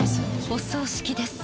お葬式です